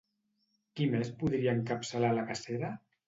Qui més podria encapçalar la cacera?